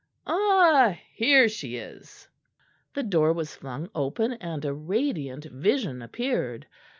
Ah! here she is." The door was flung open and a radiant vision appeared.